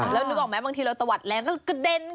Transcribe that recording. แล้วนึกออกมั้ยบางทีเราตวัดแรงแล้วก็เด่นค่ะ